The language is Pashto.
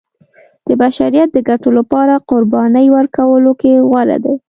د بشریت د ګټو لپاره قربانۍ ورکولو کې غوره دی.